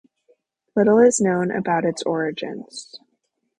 Little is known about its origins.